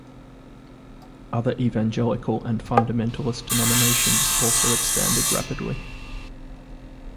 Other evangelical and fundamentalist denominations also expanded rapidly.